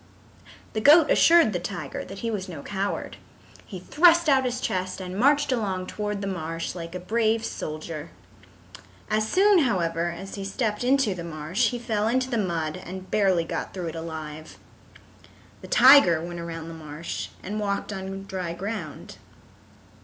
The goat assured the tiger that he was no coward. He thrust out his chest and marched along toward the marsh like a brave soldier. As soon, however, as he stepped into the marsh, he fell into the mud and barely got through it alive. The tiger went around the marsh and walked on dry ground.